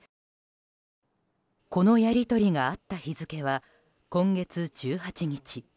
このやり取りがあった日付は今月１８日。